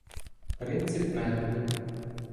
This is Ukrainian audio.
Принцип методу.